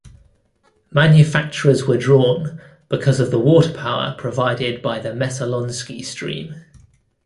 Manufacturers were drawn because of the water power provided by the Messalonskee Stream.